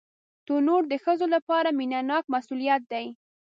تنور د ښځو لپاره مینهناک مسؤلیت دی